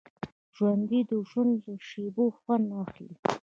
ژوندي د ژوند له شېبو خوند اخلي